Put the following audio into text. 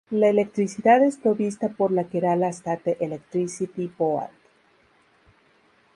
La electricidad es provista por la Kerala State Electricity Board.